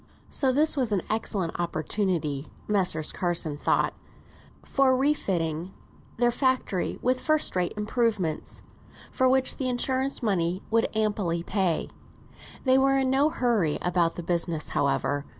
So this was an excellent opportunity, Messrs. Carson thought, for refitting their factory with first rate improvements, for which the insurance money would amply pay. They were in no hurry about the business, however.